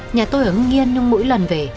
nhà tôi ở hương yên nhưng mỗi lần về